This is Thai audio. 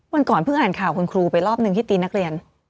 วันก่อนเพิ่งอ่านข่าวคุณครูไปรอบหนึ่งที่ตีนักเรียน